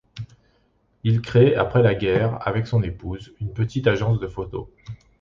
Il crée, apres la guerre, avec son épouse, une petite agence de photos.